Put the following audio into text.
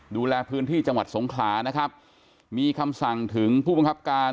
ดูแลพื้นที่จังหวัดสงขลานะครับมีคำสั่งถึงผู้บังคับการ